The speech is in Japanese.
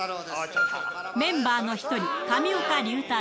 メンバーの１人、上岡龍太郎。